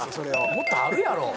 もっとあるやろ。